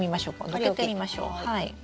載っけてみましょう。